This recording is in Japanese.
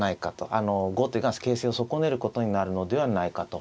あの後手が形勢を損ねることになるのではないかと。